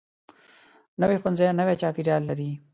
نوی ښوونځی نوی چاپیریال لري